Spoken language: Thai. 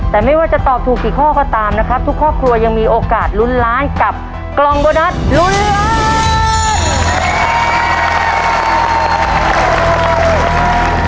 แต่ไม่ว่าจะตอบถูกกี่ข้อก็ตามนะครับทุกครอบครัวยังมีโอกาสลุ้นล้านกับกล่องโบนัสลุ้นล้าน